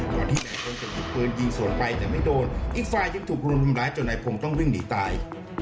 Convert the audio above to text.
ก่อนที่นายพงจะหยิบปืนยิงสวนไปแต่ไม่โดนอีกฝ่ายยังถูกรุมทำร้ายจนนายพงศ์ต้องวิ่งหนีตาย